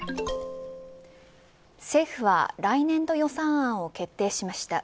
政府は来年度予算案を決定しました。